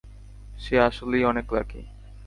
সে আসলেই অনেক লাকী!